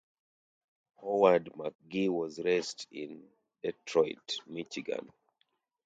Howard McGhee was raised in Detroit, Michigan.